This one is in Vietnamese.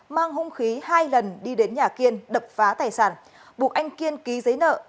mang hung khí hai lần đi đến nhà kiên đập phá tài sản buộc anh kiên ký giấy nợ